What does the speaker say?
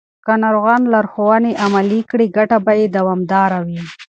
که ناروغان لارښوونې عملي کړي، ګټه به یې دوامداره وي.